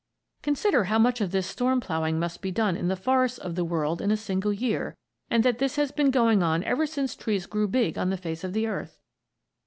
Consider how much of this storm ploughing must be done in the forests of the world in a single year, and that this has been going on ever since trees grew big on the face of the earth.